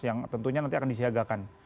yang tentunya nanti akan disiagakan